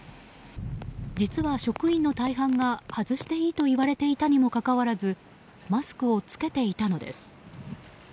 実は職員の大半が外していいと言われていたにもかかわらずマスクを着けていたのです。